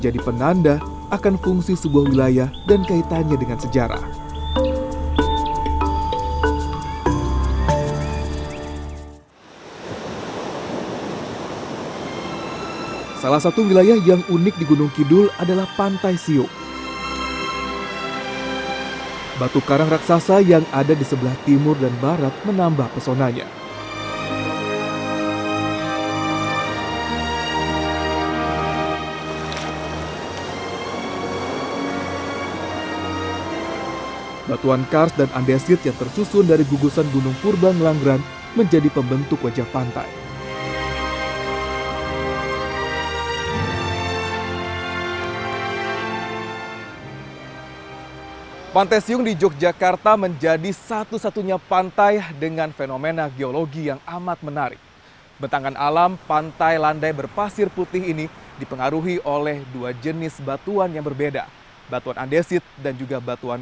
disernget dengan ini barisan barisul quemlan untuk mengomongkan